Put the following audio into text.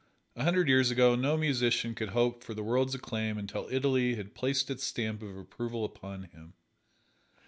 A hundred years ago no musician could hope for the world's acclaim until Italy had placed its stamp of approval upon him.